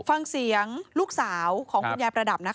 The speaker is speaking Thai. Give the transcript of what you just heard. ฟังเสียงลูกสาวของคุณยายประดับนะคะ